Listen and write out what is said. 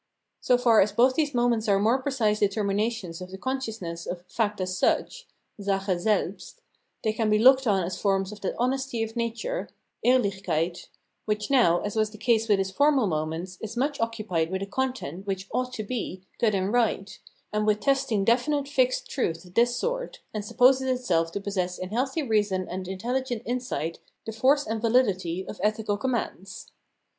So far as both these moments are more precise deter minations of the consciousness of "fact as such" {Sache selhst) they can be looked on as forms of that honesty of nature {Ehrlichkeit) which now, as was the case with its formal moments, is much occupied with a content which " ought to be " good and right, and with testing definite fixed truth of this sort, and supposes itself to possess in healthy reason and intelligent insight the force and vahdity of ethical commands.